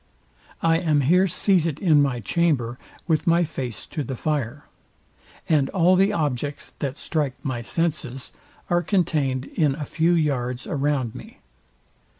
I am here seated in my chamber with my face to the fire; and all the objects, that strike my senses, are contained in a few yards around me.